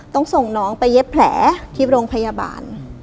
ต้องส่งน้องไปเย็บแผลที่โรงพยาบาล